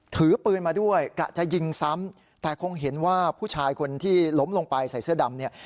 ถือปืนมาด้วยกะจะยิงซ้ำแต่คงเห็นว่าผู้ชายคนที่ล้มลงไปใส่เสื้อดำเนี่ย